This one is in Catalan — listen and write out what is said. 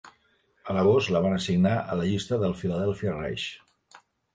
A l'agost, la van assignar a la llista del Philadelphia Rage.